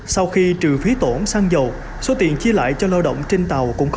sau khi trừ phí tổn xăng dầu số tiền chia lại cho lao động trên tàu cũng